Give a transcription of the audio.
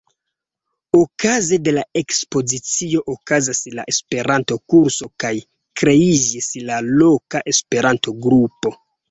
Okaze de la ekspozicio okazas la Esperanto-kurso kaj kreiĝis la loka Esperanto-grupo.